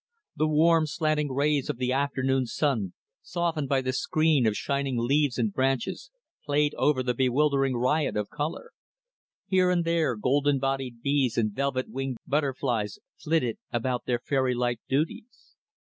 The warm, slanting rays of the afternoon sun, softened by the screen of shining leaves and branches, played over the bewildering riot of color. Here and there, golden bodied bees and velvet winged butterflies flitted about their fairy like duties.